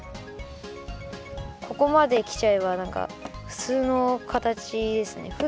ここまできちゃえばなんかふつうの形ですね。